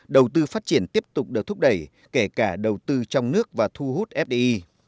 đầu tư phát triển tiếp tục được thúc đẩy kể cả đầu tư trong nước và thu hút fdi